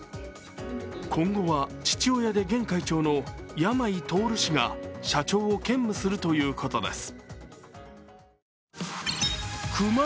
今後は、父親で現会長の山井太氏が社長を兼務するということです。